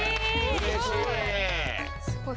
すごい！